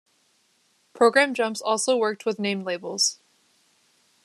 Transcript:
Program jumps also worked with named labels.